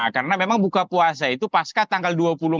karena memang buka puasa itu pasca tanggal dua puluh maret ini